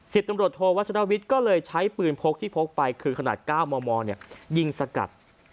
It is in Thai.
ตำรวจโทวัชรวิทย์ก็เลยใช้ปืนพกที่พกไปคือขนาด๙มมยิงสกัด